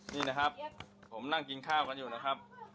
นี่นะครับผมนั่งกินข้าวกันอยู่นะครับ